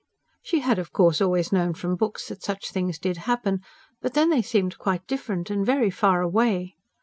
She had, of course, always known from books that such things did happen; but then they seemed quite different, and very far away.